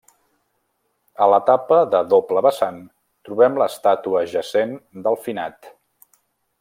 A la tapa de doble vessant, trobem l'estàtua jacent del finat.